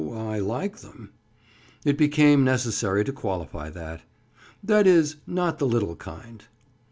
I like them." It became necessary to qualify that. "That is—not the little kind."